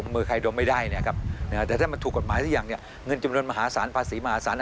มันถูกกฎหมายสักอย่างเงินจำนวนมหาศาลภาษีมหาศาล